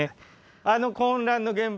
あの混乱の現場